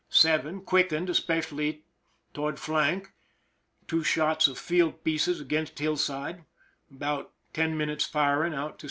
7, quickened, especially toward flank— 2 shots of field pieces against hillside— about 10 minutes' firing out to S.